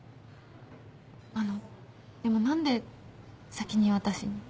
あのでも何で先に私に？